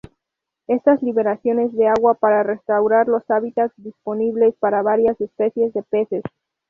Estas liberaciones de agua para restaurar los hábitats disponibles para varias especies de peces.